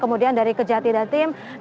kemudian dari kejati dan tim